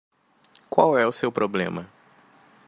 qual é o seu problema